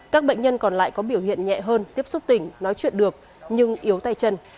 các bệnh nhân còn lại có biểu hiện nhẹ hơn tiếp xúc tỉnh nói chuyện được nhưng yếu tay chân